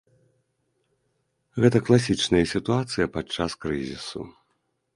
Гэта класічная сітуацыя падчас крызісу.